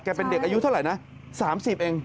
แกเป็นเด็กอายุเท่าไหร่นะสามสิบเอง